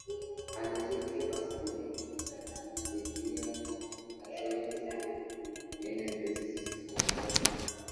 A decir de Basadre, competía con Cáceres en el prestigio como jefe.